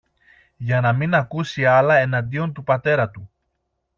για να μην ακούσει άλλα εναντίον του πατέρα του.